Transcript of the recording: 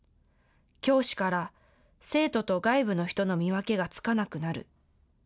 教師から生徒と外部の人の見分けがつかなくなる。